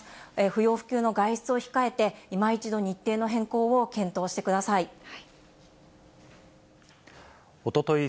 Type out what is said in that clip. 不要不急の外出を控えて、いま一度、日程の変更を検討してください。